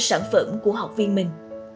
sản phẩm của học viên mình